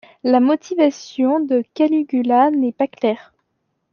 La motivation de Caligula n'est pas claire.